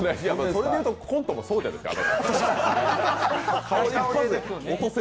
それで言うとコントもそうですから。